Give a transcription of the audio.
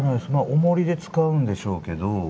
おもりで使うんでしょうけど。